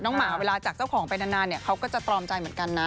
หมาเวลาจากเจ้าของไปนานเนี่ยเขาก็จะตรอมใจเหมือนกันนะ